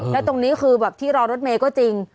แล้วตรงนี้คือแบบที่รอรถเมย์ก็จริง